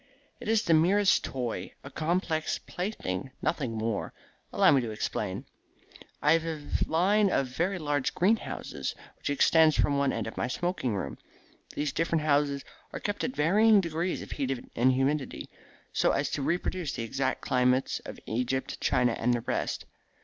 "It is the merest toy a complex plaything, nothing more. Allow me to explain. I have a line of very large greenhouses which extends from one end of my smoking room. These different houses are kept at varying degrees of heat and humidity so as to reproduce the exact climates of Egypt, China, and the rest.